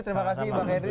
terima kasih bang henry